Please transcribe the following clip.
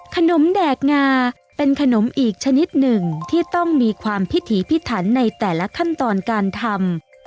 แดกงาเป็นขนมอีกชนิดหนึ่งที่ต้องมีความพิถีพิถันในแต่ละขั้นตอนการทำ